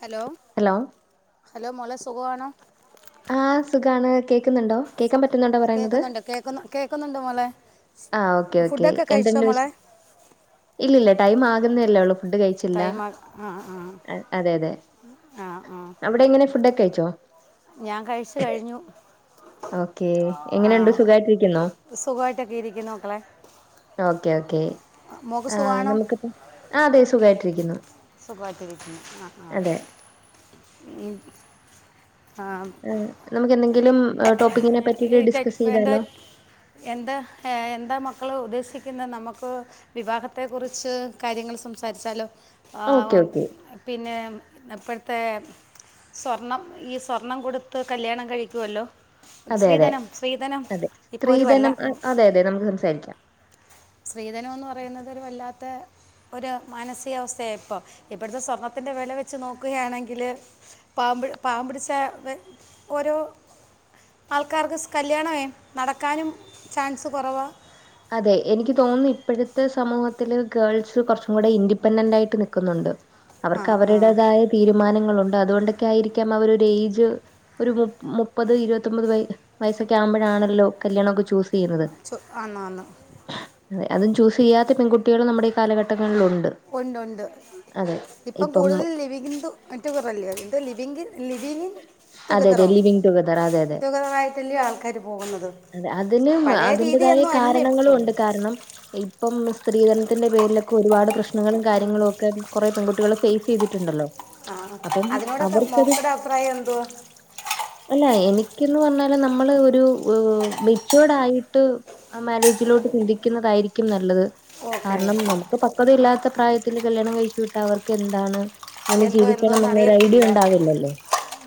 Hello hello hello മോളെ സുഖവാണോ ആഹ് സുഖാണ് കേൾക്കുന്നുണ്ടോ സു കേൾക്കാൻ പറ്റുന്നുണ്ടോ പറയുന്നത് കേൾക്കുന്നുണ്ട് കേൾക്കുന്നുണ്ട് മോളെ ആഹ് ഓക്കെ ഓക്കെ ഫുഡൊക്കെ കഴിച്ചോ എന്തുണ്ട് വിശേ മോളെ ഇല്ലില്ല ടൈം ആകുന്നല്ലേ ഉള്ളൂ ഫുഡ് കഴിച്ചില്ല തൈമ ആ ആ അതെതെ ആ ആ അവിടെ എങ്ങനെ ഫുഡൊക്കെ കഴിച്ചോ ഞാൻ കഴിച്ച് കഴിഞ്ഞു ഓക്കെ ആ എങ്ങനെയുണ്ട് സുഖായിട്ടിരിക്കുന്നോ സുഖമായിട്ടൊക്കെ ഇരിക്കുന്നു മക്കളെ ഓക്കെ ഓക്കേ മോൾക്ക് ആഹ് സുഖമാണോ നമുക്ക് ആഹ് അതെ സുഖയിട്ടിരിക്കുന്നു സുഖയിട്ട് ഇരിക്കുന്നു ആഹ് ആഹ് ഏഹ് നമുക്കെന്തെങ്കിലും ടോപ്പിക്കിനെ ഈ പറ്റിട്ട് ടെ- എന്താ ഡിസ്കസീതാലോ എന്താ എന്താ മക്കള് ഉദ്ദേശിക്കുന്നെ നമക്ക് വിവാഹത്തെ ക്കുറിച്ച് കാര്യങ്ങൾ സംസാരിച്ചാലൊ ഓക്കെ ആഹ് ഓക്കെ പിന്നെ ഇപ്പഴത്തെ സ്വർണം ഈ സ്വർണം കൊടുത്ത് കല്യാണം കഴിക്കുവല്ലോ അതെ അതെ സ്ത്രീധനം സ്ത്രീധനം അതെ ഇപ്പോരു വല്ല സ്ത്രീധനം അ അതെ അതെ നമുക്ക് സംസാരിക്കാം സ്ത്രീധനം എന്ന് പറയുന്നതൊരു വല്ലാത്ത ഒരു മാനസികാവസ്ഥയാ ഇപ്പം ഇപ്പഴത്തെ സ്വർണ്ണത്തിൻ്റെ വെല വെച്ച് നോക്കുയാണെങ്കില് പാവം പിട് പാവം പിടിച്ച വ ഓരോ ആൾക്കാർക്ക് സ് കല്യാണവേ നടക്കാനും ചാൻസ് കൊറവ അതെ എനിക്ക് തോന്നുന്നു ഇപ്പഴത്തെ സമൂഹത്തില് ഗേൾസ് കുറച്ചും കൂടെ ഇൻഡിപെൻഡന്റായിട്ട് നിക്കുന്നുണ്ട് ആ അവർക്ക് ആ അവരുടേതായ തീരുമാനങ്ങളുണ്ട് അതുകൊണ്ടൊക്കെയായിരിക്കാം അവരൊര് ഏജ് ഒരു മു മുപ്പത് ഇരുപത്തൊമ്പത് വ വയസ്സൊക്കെയാവുമ്പോഴാണല്ലോ കല്യാണൊക്കെ ചൂസിയ്യുന്നത് സൊ ആന്ന് ആന്ന് അതെ അതും ചൂസീയ്യാത്ത പെൺകുട്ടികളും നമ്മടെ ഈ കാലഘട്ടങ്ങളിലുണ്ട് ഒണ്ടൊണ്ട് ഇപ്പം കൂടുതൽ ലിവിങ് റ്റു റെല്ലെയോ എന്തോ ലിവിംഗ് ലിവിനിങ്‌ അതെ അതെ ടുഗെതറോ ലിവിങ് ടുഗദർ അതെ അതെ ടുഗെതറായിട്ടല്യോ ആൾക്കാര് പോകുന്നത് അതിന് പഴയ അതിന്റേതായ രീതിയൊന്നും അല്ല കാരണങ്ങളും ഇപ്പം ഉണ്ട് കാരണം ഇപ്പം സ്ത്രീധനത്തിന്റെ പേരിലൊക്കെ ഒരുപാട് പ്രശ്നങ്ങളും കാര്യങ്ങളും ഒക്കെ കുറെ പെൺകുട്ടികള് ഫേസീതിട്ടുണ്ടല്ലോ ആഹ് അതിനോടൊക്കെ മോക്കടെ അഭിപ്രായം എന്തുവാ അല്ല എനിക്കെന്ന് പറഞ്ഞാല് നമ്മള് ഒരു മെചുവേടായിട്ട് ആ മാര്യേജിലോട്ട് ചിന്തിക്കുന്നതായിരിക്കും നല്ലത് ഓക്കെ കാരണം ഓക്കെ നമുക്ക് പക്വതയില്ലാത്ത പ്രായത്തില് കല്യാണം കഴിച്ചു വിട്ടാ അവർക്കെന്താണ് ങ്ങനെ എന്തോ ജീവിക്കണം എന്നൊരു ഐഡിയ ഉണ്ടാവില്ലല്ലോ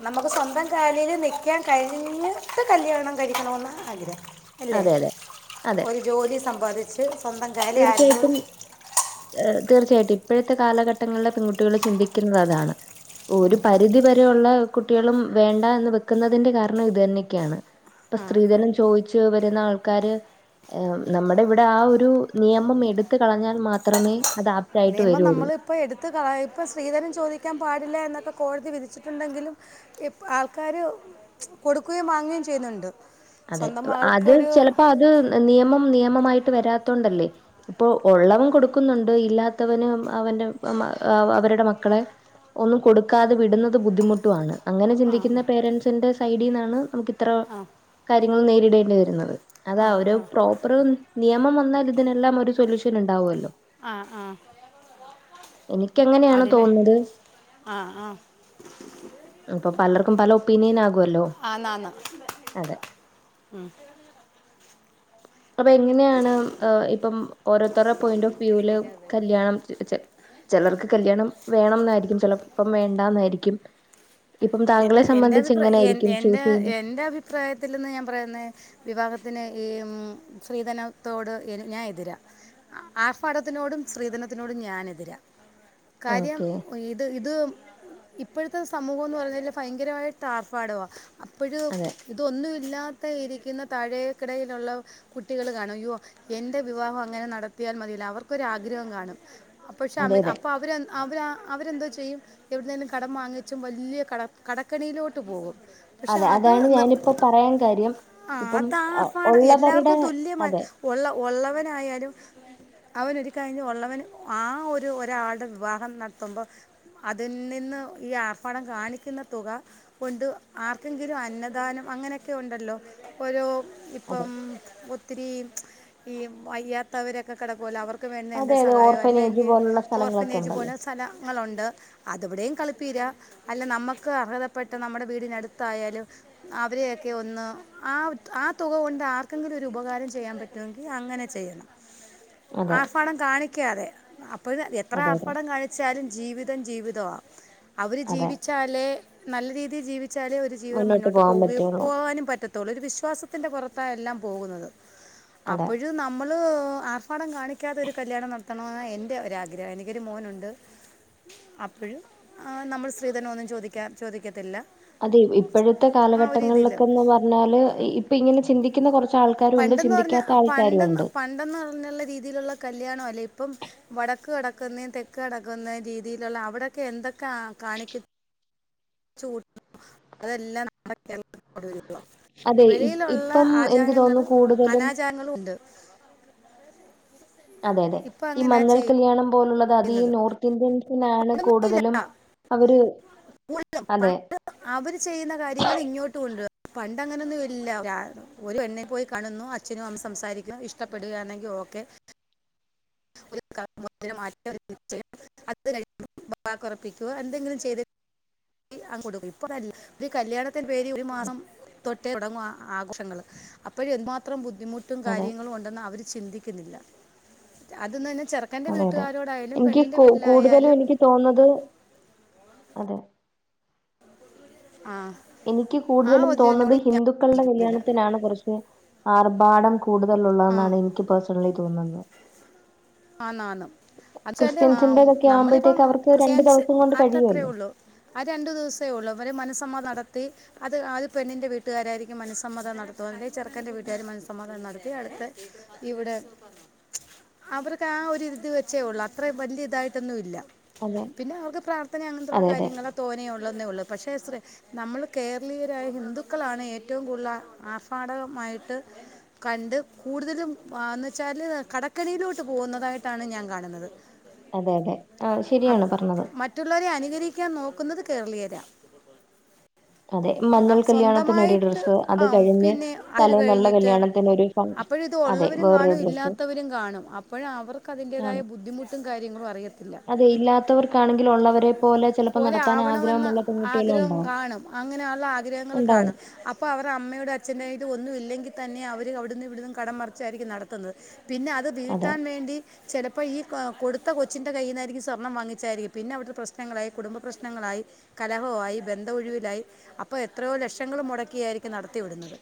നമക്ക് സ്വന്തം കാലില് നിക്കാൻ കഴിഞ്ഞിട്ട് കല്ല്യാണം കഴിക്കണോന്ന ആഗ്രഹം അല്ലേ അതെ അതെ അതെ ഒരു ജോലി സമ്പാദിച്ച് സ്വന്തം കാര്യ ആരുടെ തീർച്ചയായിട്ടും തീർച്ചയായിട്ടും ഇപ്പഴത്തെ കാലഘട്ടങ്ങളിലെ പെൺകുട്ടികള് ചിന്തിക്കുന്നതാണ് ഒരു പരിധി വരെ യുള്ള കുട്ടികളും വേണ്ട എന്ന് വെക്കുന്നതിന്റെ കാരണം ഇതെന്നെക്കെയാണ് ഇപ്പൊ സ്ത്രീധനം ചോയ്ച്ചു വരുന്ന ആൾക്കാര് ഏഹ് നമ്മടെ ഇവടെ ആ ഒരു നിയമം എടുത്ത് കളഞ്ഞാൽ മാത്രമേ അത് ആപ്റ്റായിട്ട് നിയമം വരുള്ളൂ. നമ്മള് ഇപ്പോ എടുത്ത് കളയ് ഇപ്പം സ്ത്രീധനം ചോദിക്കാൻ പാടില്ല എന്നൊക്കെ കോടതി വിധിച്ചിട്ടുണ്ടെങ്കിലും ഇപ്പ ഇ ആൾക്കാര് കൊടുക്കുകയും വാങ്ങുകയും ചെയ്യുന്നുണ്ട് അതെ സ്വന്തം അത് മകൾക്കൊരു ചെലപ്പോ അത് നിയമം നിയമ മായിട്ട് വരാത്തോണ്ടല്ലേ ഇപ്പൊ ഒള്ളവൻ കൊടുക്കുന്നുണ്ട് ഇല്ലാത്തവന് അവന്റെ മ അവരുടെ മക്കളെ ഒന്നും കൊടുക്കാതെ വിടുന്നത് ബുദ്ധിമുട്ടു ആണ് അങ്ങനെ ആ ചിന്തിക്കുന്ന പേരൻസിന്റെ സൈടീന്നാണ് നമുക്കിത്ര ആ കാര്യങ്ങൾ നേരിടേണ്ടി വരുന്നത് അതാ ഒരു ആ പ്രോപ്പർ നിയമം വന്നാൽ ഇതിനെല്ലാം ഒരു സൊല്യൂഷൻ ഇണ്ടാവോല്ലോ ആഹ് ആഹ് എനിക്കങ്ങനെയാണ് തോന്നുന്നത് ആഹ് ആഹ് അപ്പൊ പലർക്കും പല ഒപ്പീനിയനാകുവല്ലോ ആന്ന് ആന്ന് ഉം അപ്പ എങ്ങനെണ് ഇപ്പം ഓരോരുത്തരെ പോയിന്റ് ഓഫ് വ്യൂല് കല്യാണം ചെ ചെലർക്ക് കല്യാണം വേണം ന്നായിരിക്കും ചെലപ്പം വേണ്ടാന്നായിരിക്കും ഇപ്പം താങ്കളെ സംബന്ധിച്ച് എങ്ങനൊ ആയിരിക്കും ചൂസീയ്യ് ഭിപ്രായത്തില്ന്ന് ഞാൻ പറയ്ന്ന് വിവാഹത്തിന് ഈമ് സ്രീധനത്തോട് ഞാൻ എതിരാ ആഫാടത്തിനോടും സ്ത്രീധനത്തിനോടും ഞാന് എതിരാ ആഹ് കാര്യം ഓക്കെ. ഇത് ഇത് ഇപ്പോഴത്തെ സമൂഹംന്ന് പർഞ് നല്ല ഫയങ്കരായിട്ട് ആർഭാടവാ അപ്പോഴ് അതെ. ഇതൊന്നുമില്ലാത്ത ഇരിക്കിന്ന താഴേക്കിടയിലുള്ള കുട്ടികള് കാണും അയ്യോ എന്റെ വിവാഹം അങ്ങനെ നടത്തിയാൽ മതിയില്ലോ അവർക്കൊരു ആഗ്രഹം കാണും അപ്പ ക്ഷെ അതെ അമിത് അതെ. അപ്പ അവര് അവര് ആഹ് അവരന്തോ ചെയ്യും എവിട്ന്നേലും കടം വാങ്ങിച്ചും വല്യയ കട കടക്കണിയിലോട്ട് പോകും പക്ഷെ അതെ അത് അതാണ് നിർ ഞാനിപ്പോ പറയാൻ കാര്യം ആഹ് ഇപ്പം അഹ് അതാർഫാടം ഉള്ളവരുടെ എല്ലാർക്കും തുല്യമായി അതെ ഒള്ള ഒള്ളവനായാലും അവൻ ഒരു കഴിഞ്ഞ് ഒള്ളവന് ആഹ് ഒരു ഒരാളുടെ വിവാഹം നടത്തുമ്പം അതിൽ നിന്ന് ഈ ആർഫാടം കാണിക്കുന്ന തുക കൊണ്ട് ആർക്കെങ്കിലും അന്നദാനം അങ്ങനെക്കെ ഉണ്ടല്ലോ ഓരോ അതെ. ഇപ്പം ഒത്തിരി ഈ വയ്യാത്തവരോക്കെ കിടക്കല്ലോ അവർ ക്ക്‌ വേട്ന്ന എന്റെ അതെ അതെ സഹായോ അല്ല ഓർഫനേജ് എങ്കി പോലുള്ള സ്ഥലങ്ങളൊക്കെ ഓർഫിനേജ് ഉണ്ടല്ലോ. പോൽത്തെ സം സ്ഥല ങ്ങളുണ്ട് അത്വ്ടെയും കളിപ്പീര അല്ല നമ ക്കെ അർഹതപ്പെട്ട നമ്മുടെ വീടിനടുത്തായാലും അവരെയൊക്കെ ഒന്ന് ആഹ് ആഹ് തുക കൊണ്ട് ആർക്കെങ്കിലും ഒരു ഉപകാരം ചെയ്യാൻ പറ്റുമെങ്കിൽ അങ്ങനെ ചെയ്യണം അതെ ആർഫാടം കാണിക്കാതെ അപ്പഴ് എത്ര അതെ അതെ ആർഫാടം കാണി ചാലും ജീവിതം ജീവിതവാ അവര് അതെ ജീവിച്ചാലേ നല്ല രീതിയിൽ ജീവിച്ചാലേ ഒര് ജീവിതം മുന്നോട്ട് പോകാൻ പോകുകയും പറ്റുള്ളൂ. പോകാനും പറ്റ് റ്റൊത്തോള്ളു ഒര് വിശ്വാസത്തിന്റെ പുറത്താ എല്ലാം പോകുന്നത് അതെ. അപ്പോഴും ന നമ്മള് ആർഫാടം കാണിക്കാത്ത ഒരു കല്യാണം നടത്തണ്ന്നാ എന്റെ ഒരാഗ്രഹം എനിക്കൊരു മോനുണ്ട് അപ്പഴും നമ്മൾ സ്രീധന ഒന്നും ചോദിക്കാ ചോദിക്കത്തില്ല അതെ ഇപ്പോഴത്തെ ആ ഒരു ഇതിൽ കാലഘട്ടങ്ങളിലൊക്കന്ന് പർഞ്ഞാല് ഇപ്പ ഇങ്ങനെ ചിന്തി ക്ക്‌ന്ന കോർച്ച് ആൾക്കാരുണ്ട് ചിന്തിക്കാത്ത ആൾക്കാരുണ്ട് ണ്ടന്ന് പറഞ്ഞുള്ള രീതിയിലുള്ള കല്യാണം അല്ലെ ഇപ്പം വടക്ക് കിടക്കുന്നേ തെക്ക് കിടക്കുന്നേ രീതിയിലുള്ള അവിടെക്കെ എന്തൊക്കെ കാണിക് ചൂട് അതല്ലാ [unintelligible] [unintelligible] അതെ. ഇ വെളിയിലുള്ള ഇപ്പം എനിക്ക് തോന്നുന്നു ആചാരങ്ങള് കൂടുതലും അനാചാരങ്ങളും ഉണ്ട് അതെ അതെ ഇപ്പം ഈ അങ്ങനെ മഞ്ഞൾ കല്യാണം പോലുള്ളത് അത് ഈ ചെയ്യുന്നത് നോർത്ത് ഇന്ത്യൻ സിനാണ് പണ്ടൊന്നുമില്ല കൂടുതലും അവര് [unintelligible] അതെ, പണ്ട് അവര് ചെയ്യുന്ന കാര്യങ്ങള് ഇങ്ങോട്ട് കൊണ്ട് വ പണ്ട് അങ്ങനെന്നുല്ല ഒരു പെണ്ണ് പോയി കാണുന്നു അച്ഛനും അമ്മയും സംസാരിക്കുന്നു ഇഷ്ടപ്പെടുകയാണെങ്കി ഓക്കെ [unintelligible] വാക്ക്‌ ഉറപ്പിക്കുക എന്തെങ്കിലും ചെയ്ത് [unintelligible] ഒരു കല്യാണത്തിന്റെ പേര് ഒരു മാസം തൊട്ടേ തുടങ്ങ ആഘോഷങ്ങൾ അപ്പോഴും എതുമാത്രം ബുദ്ധിമുട്ട് ട്ടും അതെ, കാര്യങ്ങളും ഉണ്ടെന്ന് അവർ ചിന്തിക്കുന്നില്ല അത് ന്ന് റഞ്ഞ ചെറുക്കൻന്റെ വീ അതെ, അതെ. എനിക്ക് കൂ കൂടുതലും എനിക്ക് തോന്നത് അതെ ആഹ് എനിക്ക് കൂടുതലും തോന്നത് ഹിന്ദുക്കളുടെ യോജിക്കുന്നില്ല കല്യാണത്തിനാണ് കുറച്ച് ആർഭാടം ആ കൂടുതലള്ളതന്നാണ് എനിക്ക് പേഴ്സണലി തോന്നുന്നത് ആന്ന് ആന്ന് അച്ചല്ല് ക്രിസ്ത്യൻസിന്റേതൊക്കെ നമ്മളിപ്പം ആവുമ്പഴത്തേക്ക് അവർക്ക് ക്രിസ്ത്യൻസ് ദിവസം കൊണ്ട് ആറ്റ അത്രേ കഴിയുവല്ലോ. ഉള്ളു ആഹ് രണ്ടു ദിവസേ ഉള്ളൂ അവര് മനസ്സമ്മത നടത്തി അത് ആത് പെണ്ണി ൻ്റെ വീട്ടുകാരായിരിക്കും മനസമ്മതം നടത്തുക ചെറുക്കൻന്റെ വീട്ടുകാർ മനസ്സമ്മതം നടത്തി അടുത്തെ ഇവിടെ അവർ ആരിത് വെച്ചേ ഉള്ളൂ അത്ര വലിയ ഇതായിട്ടൊന്നുല്ല അതെ പിന്ന അവർക്ക് പ്രാർത്ഥന അങ്ങനത്തയുള്ള അതെ അതെ കാര്യങ്ങളാ തോനേ ഉള്ളന്നേ ഉള്ളൂ പക്ഷെ നമ്മൾ കേരളീയരായ ഹിന്ദുക്കളാണ് ഏറ്റവും കൂടുതൽ ആർഫാടകമായിട്ട് കണ്ട് കൂടുതലും ആന്ന് വെച്ചാല് കടക്കനയിലോട്ട് ത്ത് പോകുന്നതായിട്ടാണ് ഞാൻ കാണുന്നത് അതെ അതെ അയ് അത് ശരിയാണ് പറഞ്ഞത് മറ്റുള്ളവരെ അനുകരിക്കാൻ നോക്കുന്നത് കേരളീയരാ അതെ ന്ന മഞ്ഞൾ കല്യാണത്തിന് ഒരു സ്വന്തമായിട്ട് ഡ്രസ്സ് അത് ആഹ് കഴിഞ്ഞ് പിന്നെ ഒര് തലേന്നുള്ള കഴിഞ്ഞിട്ട് കല്യാണത്തിന് ഒരു ഫ അപ്പോഴ ഇത് അതെ ഉള്ളവരും വേറൊരു കാണും ഡ്രസ്സ് ഇല്ലാത്തവരും കാണും അപ്പോഴ അവർക്ക് അതിന്റേതായ കാണും ബുദ്ധിമുട്ടും കാര്യങ്ങളും അറിയത്തില്ല അതെ ഇല്ലാത്തവർക്കാണെങ്കിൽ ഉള്ളവരെ പോലെ ചിലപ്പോ പോലെ നടത്താൻ ആവണമെന്ന് ആഗ്രഹമുള്ള പെൺകുട്ടികളും ആഗ്രഹം ഉണ്ടാവും കാണും അങ്ങനെയുള്ള ആഗ്രഹങ്ങൾ ഉണ്ടാവും കാണും. അപ് അപ്പോ അവർ അമ്മയോട് അച്ഛന്റെയിൽ ഒന്നുമില്ലെങ്കിൽ തന്നെ അവർ അവിടുന്നും ഇവിടുന്നും കടം മറിച്ചായിരിക്കും നടത്തുന്നത്. പിന്നെ അത് അതെ വീട്ടാൻ വേണ്ടി ചെലപ്പോ ഈ കൊടുത്ത കൊച്ചിൻ്റെ കയ്യിൽ നിന്നായിരിക്കും സ്വർണം വാങ്ങിച്ചായിരിക്കും പിന്നെ അവിടുത്തെ പ്രശ്നങ്ങളായി കുടുംബ പ്രശ്നങ്ങളായി കലഹമായി ബന്ധ ഒഴിവിലായി. അപ്പൊ എത്രയോ ലക്ഷങ്ങള് മുടക്കിയായിരിക്കും നടത്തിവിടുന്നത്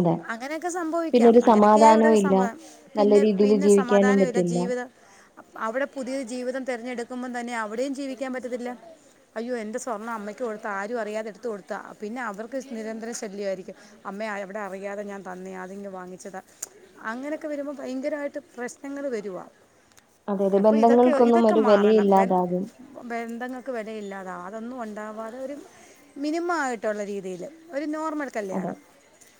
അതെ അങ്ങനെയൊക്കെ പിന്നെ സംഭവിക്കാം ഒരു അങ്ങനൊക്കെയ ഇവിടെ സമാധാനവും ഇല്ല സംഭവം നല്ല പിന്നെ രീതിയിൽ പിന്നെ ജീവിക്കാനും സമാധാനംമില്ല പറ്റില്ല ജീവിത അവിടെ പുതിയ ജീവിതം തെരഞ്ഞെടുക്കുമ്പം തന്നെ അവിടെയും ജീവിക്കാൻ പറ്റത്തില്ല. അയ്യോ എൻ്റെ സ്വർണ്ണം അമ്മയ്ക്ക് കൊടുത്ത ആരും അറിയാതെടുത്ത് കൊത്ത പിന്നെ അവർക്ക് നിരന്തര ശല്യയിരിക്കും. അമ്മയ എവിടെ അറിയാതെ ഞാൻ തന്നയാ അതിങ്ങ് വാങ്ങിച്ച് താ അങ്ങനെയൊക്കെ വരുമ്പോ ഭയങ്കരയിട്ട്. ത് പ്രശ്നങ്ങൾ വരുവാ അതെ അതെ അപ്പ ഇതൊക്കെ ബന്ധങ്ങൾക്കൊന്നും ഇതൊക്കെ ഒരു മാറണം ബന്ധ വിലയില്ലാതാകും ബന്ധങ്ങൾക്ക് വെലയില്ലാതെ അതൊന്നും ഉണ്ടാവാതെ ഒരു മിനിമം ആയിട്ടുള്ള രീതിയിൽ ഒരു നോർമൽ അതെ കല്യാണം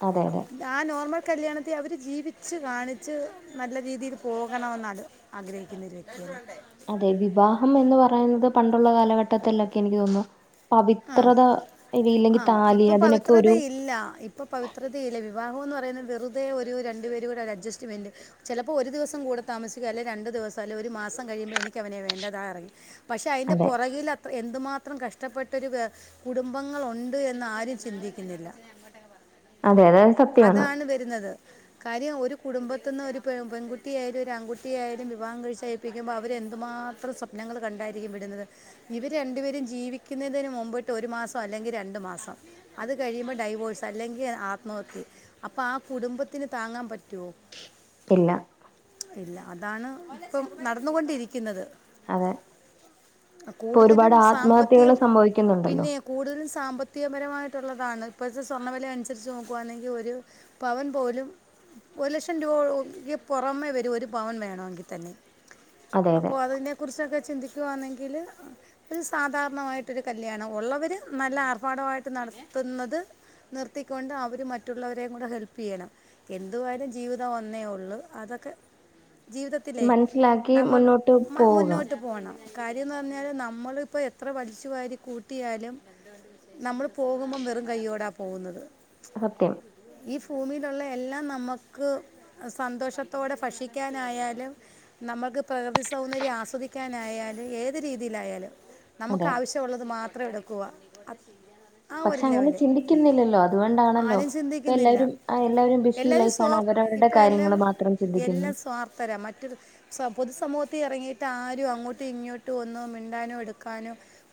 അതെ അതെ ആ നോർമൽ കല്യാണത്തെ അവര് ജീവിച്ച് കാണിച്ച് നല്ല രീതിയിൽ പോകണെന്നാണ് ആഗ്രഹിക്കുന്ന ഒരു വ്യക്തിയാണ് [inaudible] അതെ വിവാഹം എന്ന് പറയുന്നത് പണ്ടുള്ള കാലഘട്ടത്തില്ലൊക്കെ എനിക്ക് തോന്നുന്നു. ആ പവിത്രത ഇവയില്ലെങ്കിൽ താലി അതിനൊക്കെ ഒരു ഇല്ല ഇപ്പോ പവിത്രതയില്ല വിവാഹംന്ന് പറയുന്നത് വെറുതെ ഒരു രണ്ടു പേര് കൂടെ ഒരു അഡ്ജി സ്റ്റ്മെന്റ്. ചെലപ്പോ ഒരു ദിവസം കൂടെ താമസിക്കു അല്ലെ രണ്ട് ദിവസ അല്ലെ ഒരു മാസം കഴിയുമ്പോ എനിക്കവനെ വേണ്ടതായി ഇറങ്ങി പക്ഷെ അയിന്റെ അതെ പോറകിൽ അത്ര എന്തുമാത്രം കഷ്ടപ്പെട്ട് മറ്റൊരു കുടുംബങ്ങൾ ഉണ്ട് എന്ന് ആരും ചിന്തിക്കുന്നില്ല. അതെ അതെ സത്യമാണ് അതാണ് വരുന്നത് കാര്യം ഒരു കുടുംബത്തിന്ന് ഒരു പെൺകുട്ടി ആയാലും ഒരു ആൺകുട്ടിയ ആയാലും വിവാഹം കഴിച്ച പ്പിക്കുമ്പോ അവരെന്തുമാത്രം സ്വപ്നങ്ങൾ കണ്ടായിരിക്കും വിടുന്നത്. ഇവര് രണ്ടു പേരും ജീവിക്കുന്നതിന് മുമ്പോട്ട് ഒരു മാസം അല്ലെങ്കി രണ്ടു മാസം. അത് കഴിയുമ്പോ ഡൈവോഴ്സ് അല്ലെങ്കിൽ ആത്മ - നോക്കെ അപ്പൊ ആഹ് കുടുംബത്തിന് താങ്ങാൻ പറ്റുവോ? ഇല്ല ഇല്ല അതാണ് ഇപ്പം നടന്നുകൊണ്ടിരിക്കുന്നത്. അതെ ഇപ്പൊ കൂടുതലും ഒരുപാട് ആത്മഹത്യകൾ സാമ്പത്തികം സംഭവിക്കുന്നുണ്ടല്ലോ പിന്നെ കൂടുതലും സാമ്പത്തികപരമായിട്ടുള്ളതാണ് ഇപ്പോഴത്തെ സ്വർണവിലയ അനുസരിച്ച് നോക് കുവാണെങ്കിൽ ഒരു പവൻ പോലും. ഒരു ലക്ഷം രൂപക്ക് പുറമെ വരും ഒരു പവന് വേണമെങ്കിൽ തന്നെ അതെ അതെ അപ്പൊ അതിനെ കുറിച്ചൊക്കെ ചിന്തിക്കുവാണെങ്കില്. അ സാധാരണമായിട്ടരു കല്യാണം ഉള്ളവര് നല്ല ആർഭാടമായിട്ട് നടത്തുന്നത്. നിർത്തിക്കൊണ്ട് അവര്. ഇത് മറ്റുള്ളവരേും കൂടെ ഹെല്പ്പ് ചെയ്യണം എന്തുവാലും ജീവിതം ഒന്നേ ഉള്ളൂ അതൊക്കെ ജീവിതത്തിലെ മനസ്സിലാക്കി നമ്മൾ മുന്നോട്ട് മ പോവുക മുന്നോട്ട് പോണം കാര്യംന്ന് പറഞ്ഞാല് നമ്മള ഇപ്പോ എത്ര വലിച്ചു വാരി കൂട്ടിയാലും. നമ്മൾ പോകുമ്പം വെറും കൈ്യോടാ പോകുന്നത്. സത്യം ഈ ഭൂമിയിലുള്ള എല്ലാം നമക്ക് സന്തോഷത്തോടെ ഭക്ഷിക്കാനായാലും നമ്മക്ക് പ്രകൃതി സൗന്ദര്യം ആസ്വദിക്കാനായാലും ഏത് രീതിയിലായാലും നമക്ക് അതെ ആവിശ്യമുള്ളത് മാത്രം എടുക്കുക ആ പക്ഷെ ഒരു അങ്ങനെ ലെവല് ചിന്തിക്കുന്നില്ലല്ലോ അ അതുകൊണ്ടാണല്ലോ ആരും ഇപ്പ ചിന്തിക്കുന്നില്ല എല്ലാരും അ എല്ലാരും ബിസി ലൈഫാണ് അവരവരുടെ കാര്യങ്ങള് മാത്രം ചിന്തിക്കുന്നു എല്ലാ സ്വാർത്ഥരാ മറ്റൊരു സ പൊതുസമൂത്തിൽ ഇറങ്ങീട്ട് ആരുഅങ്ങോട്ടും ഇങ്ങോട്ട് ഒന്ന് മിണ്ടാനോ എടുക്കാനോ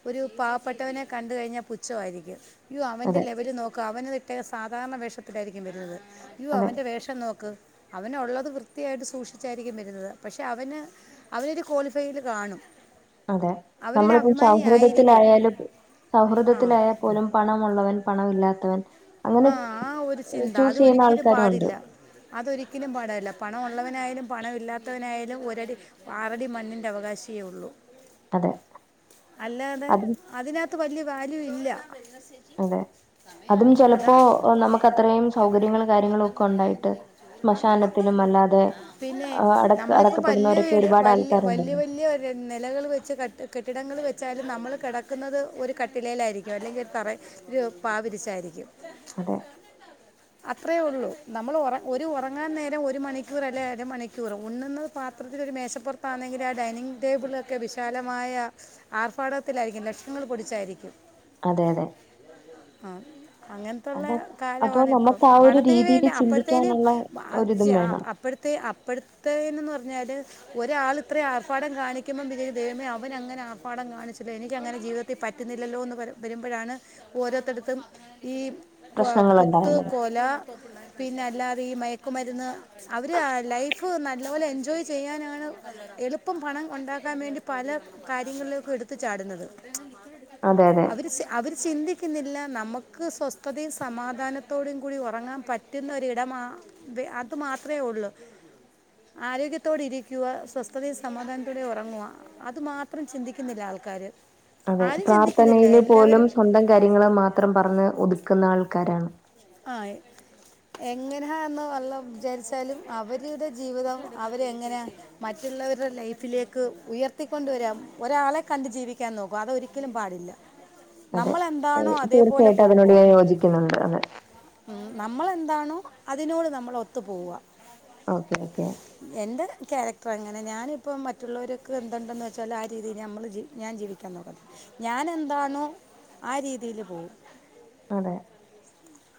ഒരു പാവപ്പെട്ടവനെ കണ്ട് കഴിഞ്ഞാ പുച്ഛമായിരിക്കും യോ അവൻ്റെ അതെ ലെവല് നോക്ക്‌ അവന് തെ സാധാരണ വേഷത്തിലായിരിക്കും വരുന്നത് യ്യോ അതെ അവന്റെ വേഷ പ്പ് നോക്ക് അവന് ഒള്ളത് വൃത്തിയായിട്ട് സൂക്ഷിച്ചായിരിക്കും വരുന്നത് പക്ഷെ അവന് അവരരു ക്വാളിഫൈയില് കാണും അതെ അവനൊരു നമ്മളിപ്പം അഭിമാനി ആയിരിക്കും സൗഹൃദത്തിലായാലും ആ സൗഹൃദത്തിലായാ പോലും പണമഉുള്ളവൻ പണം ഇല്ലാത്തവൻ ആ ആ ഒരു ചിന്ത അത് ഒരിക്കലും ആൾക്കാരും ഉണ്ട് പാടില്ല അതൊരിക്കലും പാടഅല്ല പണ ഒ ള്ളവനായാലും പണമില്ലാത്തവനായാലും ഒരടി ആറടി മണ്ണിന്റെഅവകാശിയെള്ളൂ അതെ അല്ലാതെ അതും അതിനകത്ത് വല്യ കാര്യല്ല്യ അതെ അതും ചിലപ്പോ പ്പൊ നമ്മകത്രയും സൗകര്യങ്ങളു കാര്യങ്ങളും ഒക്കെ ഉണ്ടായിട്ട് ശ്മശാനത്തിലും അല്ലാതെ പിന്നെ അട നമ്മളിപ്പം വല്യ അടക്കപ്പെടുന്നവരൊക്കെ വീട് ഒരുപാട് വല്യ വല്യ ആൾക്കാരുണ്ടല്ലോ വല്യ ല്യര് നെലകൾ വെച്ച് ക കെട്ടിടങ്ങൾ വെച്ചാലും നമ്മള് കെടക്കുന്നത് ഒരു കട്ടിലെലായിരിക്കും അല്ലെങ്കിൽ ഒരു തറ ര് പാവിരിച്ചായിരിക്കും അതെ അ [unintelligible] അത്രേഉള്ളൂ നമ്മൾ ഒറ ഒരു ഒ റങ്ങാൻ നേരം ഒരു മണിക്കൂർ അല്ലേ അരമണിക്കൂർ ഉണ്ന്ന് പാത്രത്തിലൊരു മേശപ്പുറത്താണെങ്കില് ആ ഡൈനിങ് ടേബിളൊക്കെ വിശാലമായ ആർഭാടത്തിലായിരിക്കും ലക്ഷങ്ങൾ പൊടിച്ചായിരിക്കും അതെ അതെ ആ അങ്ങന് ത്തുള്ള അത അപ്പൊ കാലമാണ് ഇപ്പം നമുക്ക് ആ ഒരു പണത്തിന് രീതിയിൽ വേണ്ടി അപ്പോഴത്തേനും ചിന്തിക്കാനുള്ള വ അ ഒരിതും ശെ വേണം അ പ്ടത്തെ അപ്ട്ത്തെല് ന്ന് പറഞ്ഞാല് ഒരാൾ ഇത്ര ആർഭാടം കാണിക്കുമ്പോ പിന്ന ദൈവമേ അവൻ അങ്ങന ആർഭാടം കാണിച്ചില്ലോ എനിക്കങ്ങനെ ജീവിതത്തി ത്തി പറ്റുന്നില്ലല്ലോ എന്ന് വരുമ്പോഴാണ് ഓരോത്തട്തും ഈ.. കൊ പ്രശ്നങ്ങൾ കുത്ത് ഉണ്ടാവുന്നത് കൊല പിന്നെ അല്ലാതെ ഈ മയക്കുമരുന്ന് അവര് ആ ലൈഫ് നല്ലഓലെ എൻജോയ് ചെയ്യാനാണ് എളുപ്പം പണം ഉണ്ടാക്കാൻ വേണ്ടി പല കാര്യങ്ങൾലൊക്കെ എടുത്തു ചാടുന്നത് അതെ അതെ അവര് സെ അവര് ചിന്തിക്കുന്നില്ല നമ്മ ക്ക് സ്വസ്ഥതയും സമാധാനത്തോടും കൂടി ഉറങ്ങാൻ പറ്റുന്ന ഒരിടമാ വെ അത് മാത്രെ ഉള്ളു. ആരോഗ്യത്തോടെരിക്കുക സ്വസ്ഥതയും സമാധാനത്തൂടെ ഒ റങ്ങുക. അത് മാത്രം ചിന്തിക്കുന്നില്ല ആൾക്കാര്. അതെ പ്രാർത്ഥനയില് പോലും സ്വന്തം കാര്യങ്ങള് മാത്രം പറഞ്ഞ് ഒതുക്കുന്ന ആൾക്കാരാണ്. ആഹ് ഇ. എങ്ങനാന്ന് അള്ളവിചാരിച്ചാലും അവര്ടെ ജീവിതം അവരെ എങ്ങനെയ. മറ്റുള്ളവര്ടെ ലൈഫിലേക്ക് ഉയർത്തിക്കൊണ്ടവരാം ഒരാളെ കണ്ട് ജീവിക്കാൻ നോക്കും അതൊരിക്കലും പാടില്ല. [inaudible] അതെ നമ്മളെന്താണോ ത് അതേപോലെ തീർച്ചയായിട്ടും അതിനോട് ഞാൻ യോജിക്കുന്നുണ്ട് അതെ. ഉം നമ്മളെന്താണോ അതിനോട് നമ്മളൊത്തു പോവ ഓക്കെ ഓക്കേ. എൻ്റെ ക്യാരക്ടർ അങ്ങനെ ഞാനിപ്പോം മറ്റുള്ളവര്ക്ക് എന്തുണ്ടെന്ന് വെച്ചാല് ആരീതി നമ്മള് ജി ഞാൻ ജീവി കെന്നോട് ഞാനെന്താണോ ആ രീതീല് പോവും. അതെ.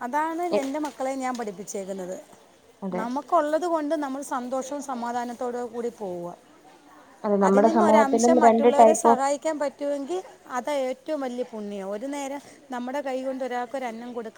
അതാണ് എന്റെ മക്കളെ ഞാ പഠിപ്പിച്ചേക്ക്ന്നത് അതെ നമ്മു കൊള്ളത് കൊണ്ട് നമ്മൾ സന്തോഷവും സമാധാനത്തോട് കൂടി പോവ്വ. അതെ നമ്മുടെ സമൂഹത്തിലും അതിനിന്നൊരംശം രണ്ട് മറ്റുള്ളവരെ ടൈപ്പ് ഓഫ് സഹായി ക്ക്യാൻ പറ്റുവെങ്കി അതാ ഏറ്റവും വല്ല്യ പുണ്യാ ഒരു നേരം നമ്മുടെ കൈകൊണ്ട് ഒരാക്കൊരന്നം കൊടുക്ക